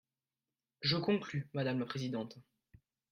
Je conclus, madame la présidente.